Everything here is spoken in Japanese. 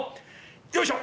よいしょ！